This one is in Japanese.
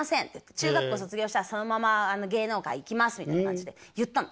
「中学校卒業したらそのまま芸能界行きます」みたいな感じで言ったの。